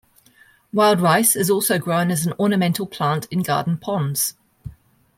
Wild rice is also grown as an ornamental plant in garden ponds.